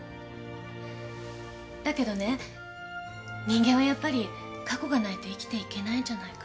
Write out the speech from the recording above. だけどね人間はやっぱり過去がないと生きていけないんじゃないかな。